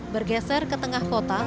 bergeser ke tengah kota